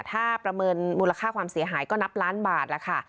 ถ้าประเมินมูลค่าความเสียหายก็นับล้านบาทแล้วค่ะ